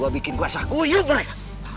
gue bikin kuasa kuyuk mereka